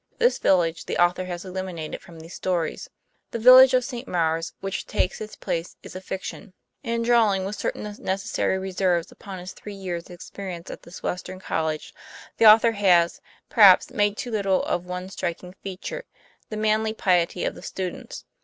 This village the au thor has eliminated from these stories. The village of St. Maure's, which takes its place, is a fiction. In drawing, with certain necessary reserves, upon his three years' experience at this Western college, the author has, perhaps, made too little of one strik ing feature the manly piety of the students.